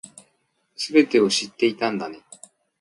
全てを知っていたんだね